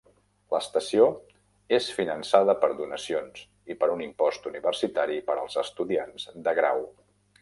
L'estació és finançada per donacions i per un impost universitari per als estudiants de grau.